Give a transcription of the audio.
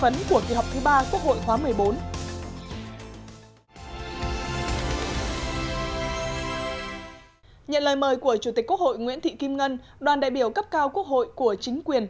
nhận lời mời của chủ tịch quốc hội nguyễn thị kim ngân đoàn đại biểu cấp cao quốc hội của chính quyền